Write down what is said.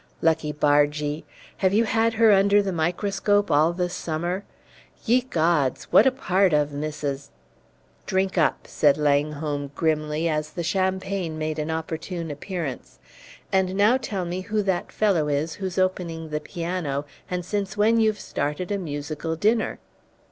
Lucky bargee! Have you had her under the microscope all the summer? Ye gods, what a part of Mrs. " "Drink up," said Langholm, grimly, as the champagne made an opportune appearance; "and now tell me who that fellow is who's opening the piano, and since when you've started a musical dinner."